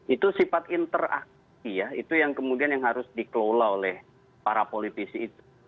itu sifat interaksi ya itu yang kemudian yang harus dikelola oleh para politisi itu